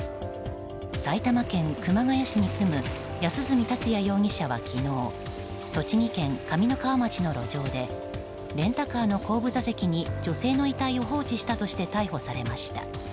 埼玉県熊谷市に住む安栖達也容疑者は昨日栃木県上三川町の路上でレンタカーの後部座席に女性の遺体を放置したとして逮捕されました。